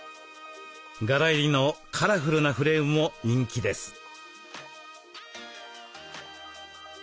柄入りのカラフルなフレームも人気です。